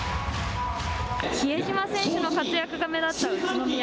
比江島選手の活躍が目立った宇都宮。